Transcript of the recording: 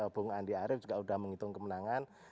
bung andi arief juga sudah menghitung kemenangan